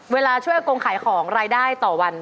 เวลาช่วยอากงขายของรายได้ต่อวัน